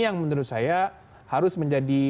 yang menurut saya harus menjadi